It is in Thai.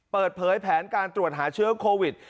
เปิดเผยแผนการตรวจหาเชื้อโควิด